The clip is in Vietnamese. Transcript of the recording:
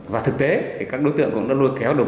và thực tế thì các đối tượng cũng đã lôi kéo được